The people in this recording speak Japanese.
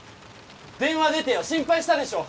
電話出てよ心配したでしょ！